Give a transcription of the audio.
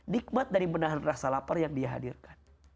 nikmat dari menahan rasa lapar yang dihadirkan